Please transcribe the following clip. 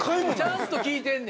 ちゃんと聞いてんねや。